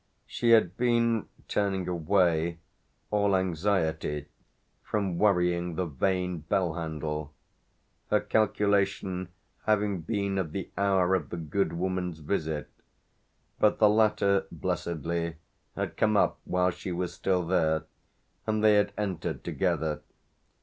She had been turning away, all anxiety, from worrying the vain bell handle her calculation having been of the hour of the good woman's visit; but the latter, blessedly, had come up while she was still there, and they had entered together.